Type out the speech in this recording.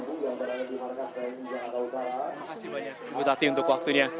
terima kasih banyak ibu tati untuk waktunya